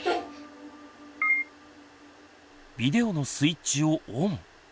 ビデオのスイッチをオン。